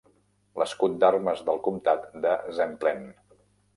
– L'escut d'armes del comptat de Zemplén.